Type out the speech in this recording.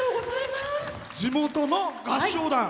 地元の合唱団。